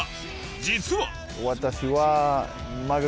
実は。